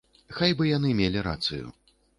Хай бы яны мелі рацыю.